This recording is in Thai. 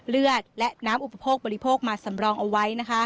เลือดและน้ำอุปโภคบริโภคมาสำรองเอาไว้